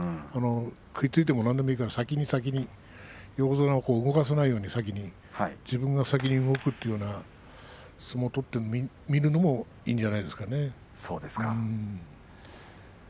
食いついても何でもいいから先に先に横綱を動かさないように自分が先に動くというような相撲を取ってみるのもいいんじゃないですかね。